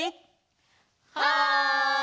はい！